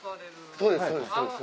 そうです